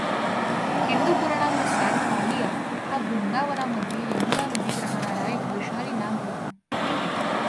हिंदू पुराणांनुसार कालिया हा वृंदावनामध्ये यमुना नदीत राहणारा एक विषारी नाग होता.